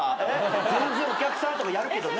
全然お客さんとかやるけどね。